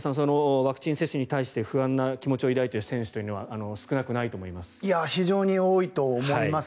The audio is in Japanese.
ワクチン接種に対して不安な気持ちを抱いている選手は少なくないと思います。